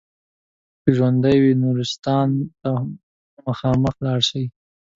که ژوندي وئ نورستان ته خامخا لاړ شئ.